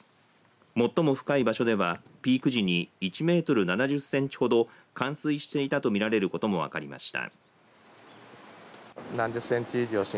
最も深い場所ではピーク時に１メートル７０センチほど冠水してたと見られることも分かりました。